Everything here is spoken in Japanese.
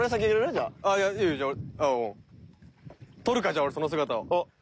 撮るかじゃあその姿を。